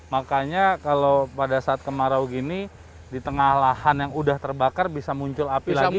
makanya kalau pada saat kemarau gini di tengah lahan yang udah terbakar bisa muncul api lagi